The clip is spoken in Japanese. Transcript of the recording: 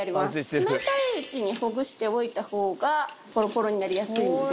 冷たいうちにほぐしておいたほうがポロポロになりやすいので。